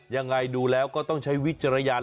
ยังไงดูแล้วก็ต้องใช้วิจารณญาณ